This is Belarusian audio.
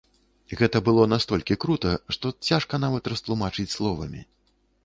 Гэта было настолькі крута, што цяжка нават растлумачыць словамі.